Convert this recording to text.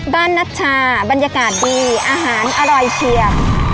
นัชชาบรรยากาศดีอาหารอร่อยเชีย